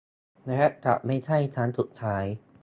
และจะไม่ใช่ครั้งสุดท้าย